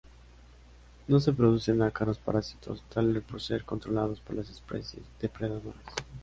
No se producen ácaros parásitos, tal vez por ser controlados por las especies depredadoras.